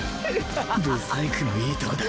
ブサイクもいいとこだ。